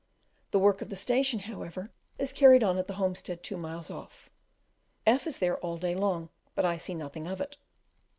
The work of the station, however, is carried on at the homestead two miles off. F is there all day long, but I see nothing of it.